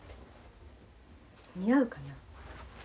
似合うかな？